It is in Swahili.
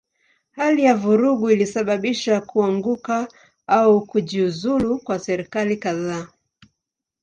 Hali ya vurugu ilisababisha kuanguka au kujiuzulu kwa serikali kadhaa.